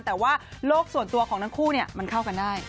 แต่ว่าโลกส่วนตัวของทั้งคู่มันเข้ากันได้